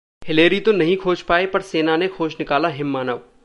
Hillary तो नहीं खोज पाए पर सेना ने खोज निकाला हिममानव